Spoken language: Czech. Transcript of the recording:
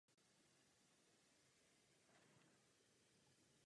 Maják se používá pro navigaci malých i velkých lodí a je plně automatizovaný.